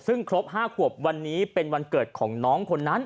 ซึ่งครบ๕ขวบวันนี้เป็นวันเกิดของน้องคนนั้น